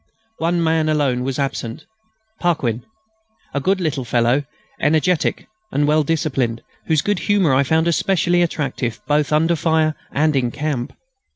One man alone was absent; Paquin, a good little fellow, energetic and well disciplined, whose good humour I found especially attractive both under fire and in camp.